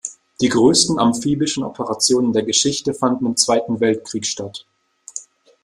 Die größten amphibischen Operationen der Geschichte fanden im Zweiten Weltkrieg statt.